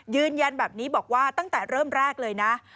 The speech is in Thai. ยืนยันแบบนี้บอกว่าตั้งแต่เริ่มแรกเลยนะ